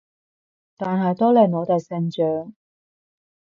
但係都令我哋成長